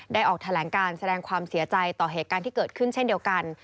ออกแถลงการแสดงความเสียใจต่อเหตุการณ์ที่เกิดขึ้นเช่นเดียวกัน